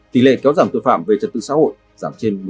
tỷ lệ kéo giảm tuyệt phạm về trật tựu xã hội giảm trên một mươi ba